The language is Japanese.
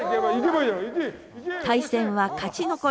対戦は勝ち残り。